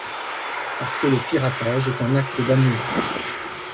Parce que le piratage est un acte d’amour.